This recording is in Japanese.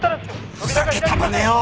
ふざけたまねを。